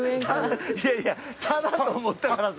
いやいやタダと思ったからさ。